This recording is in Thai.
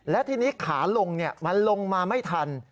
และทีนี้ขาลงมันลงมาไม่ทัน